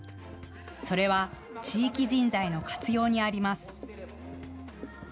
それは地域人材の活用にあります。